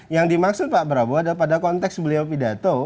yang dimaksud pak prabowo adalah pada konteks beliau pidato